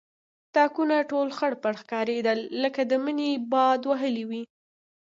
تاکونه ټول خړپړ ښکارېدل لکه د مني باد وهلي وي.